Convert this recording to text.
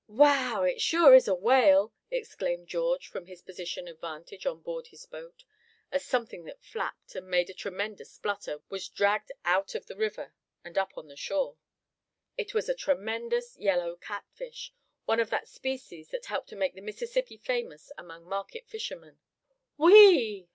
"Wow! it sure is a whale!" exclaimed George, from his position of vantage on board his boat, as something that flapped, and made a tremendous splutter, was dragged out of the river, and up on the shore. It was a tremendous yellow catfish, one of that species that help to make the Mississippi famous among market fishermen. "Whee!